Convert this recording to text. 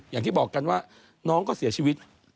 อย่างที่บอกกันว่าน้องก็เสียชีวิต